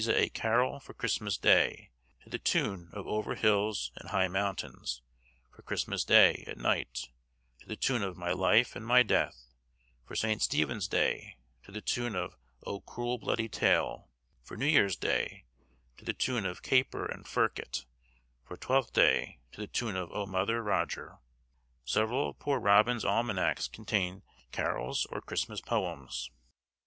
a carol for Christmas Day, to the tune of Over Hills and High Mountains; for Christmas Day, at night, to the tune of My Life and my Death; for St. Stephen's Day, to the tune of O, cruel bloody Tale; for New Year's Day, to the tune of Caper and Firk it; for Twelfth Day, to the tune of O Mother Roger.' Several of Poor Robin's Almanacs contain carols or Christmas poems.